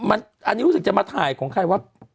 อันนี้รู้สึกจะมาถ่ายของใครว่า